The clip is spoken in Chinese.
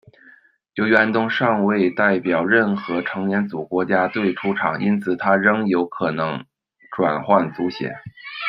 由于安东尚未代表任何成年组国家队出场，因此他仍有可能转换足协。